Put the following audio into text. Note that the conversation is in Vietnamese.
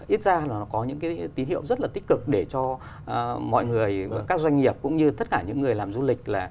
ít ra là nó có những cái tín hiệu rất là tích cực để cho mọi người các doanh nghiệp cũng như tất cả những người làm du lịch là